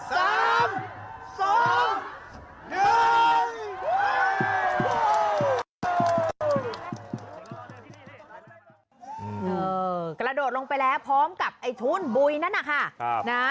กระโดดลงไปแล้วพร้อมกับไอ้ทุนบุยนั้นนะคะ